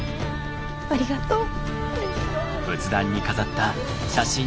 ありがとう。